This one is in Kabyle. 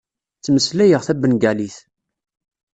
Ttmeslayeɣ tabengalit.